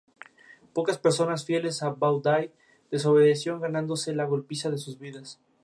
Pocas personas, fieles a Bao Dai, desobedecieron ganándose la golpiza de sus vidas.